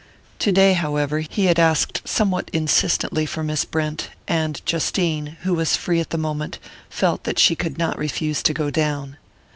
Today, however, he had asked somewhat insistently for Miss Brent; and Justine, who was free at the moment, felt that she could not refuse to go down.